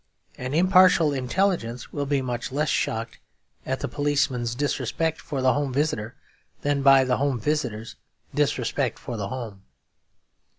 An impartial intelligence will be much less shocked at the policeman's disrespect for the home visitor than by the home visitor's disrespect for the home.